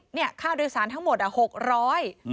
เนี่ยค่าโดยสารทั้งหมดอะหกร้อย